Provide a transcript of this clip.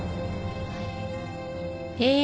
はい。